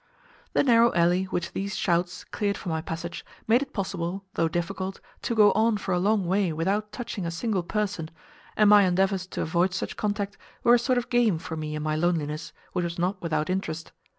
The narrow alley which these shouts cleared for my passage made it possible, though difficult, to go on for a long way without touching a single person, and my endeavours to avoid such contact were a sort of game for me in my loneliness, which was not without interest.